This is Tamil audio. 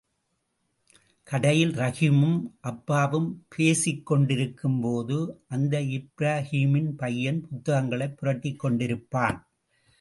கடையில் ரஹீமும் அப்பாவும் பேசிக் கொண்டிருக்கும் போது அந்த இப்ரஹீமின் பையன் புத்தகங்களைப் புரட்டிக் கொண்டு இருப்பான்.